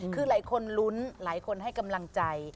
คือหลายคนลุ้นหลายคนให้กำลังใจ